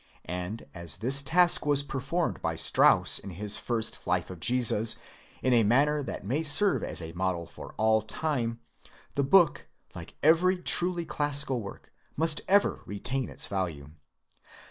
And as this task was performed by Strauss in his first Life of Jesus in a manner that may serve as a model for all time, the book, like every truly classical work, must ever retain its value.